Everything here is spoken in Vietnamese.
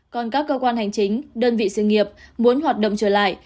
còn các cơ quan hành chính đơn vị sự nghiệp muốn hoạt động trở lại